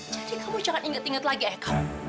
jadi kamu jangan ingat ingat lagi ayah kamu